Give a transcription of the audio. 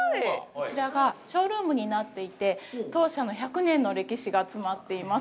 ◆こちらがショールームになっていて当社の１００年の歴史が詰まっています。